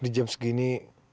di jam segini